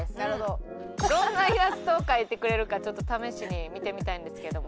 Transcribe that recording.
どんなイラストを描いてくれるかちょっと試しに見てみたいんですけども。